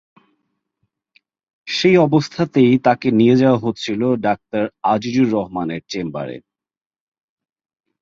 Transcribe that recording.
সেই অবস্থাতেই তাকে নিয়ে যাওয়া হচ্ছিল ডাক্তার আজিজুর রহমানের চেম্বারে।